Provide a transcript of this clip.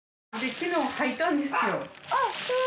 昨日吐いたんですよ